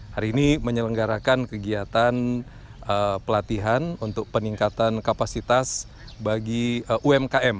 hari ini menyelenggarakan kegiatan pelatihan untuk peningkatan kapasitas bagi umkm